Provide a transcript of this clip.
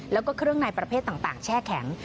แล้วก็เครื่องในประเภทต่างแช่แข็ง